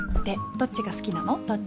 どっちが好きなん？